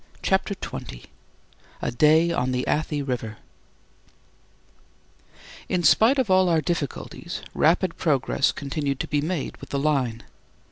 CHAPTER XX A DAY ON THE ATHI RIVER In spite of all our difficulties, rapid progress continued to be made with the line.